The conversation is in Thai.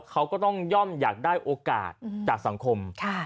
เขาก็ต้องย่อมอยากได้โอกาสจากสังคม